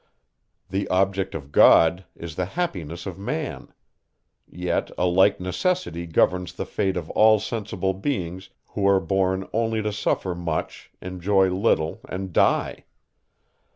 The object of God, is the happiness of a man. Yet, a like necessity governs the fate of all sensible beings, who are born only to suffer much, enjoy little, and die.